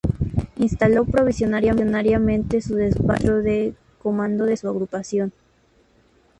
Instaló provisoriamente su despacho dentro del Comando de su agrupación.